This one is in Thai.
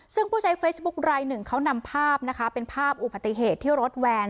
ซึ่งผู้ใช้เฟซบุ๊คลายหนึ่งเขานำภาพนะคะเป็นภาพอุบัติเหตุที่รถแวน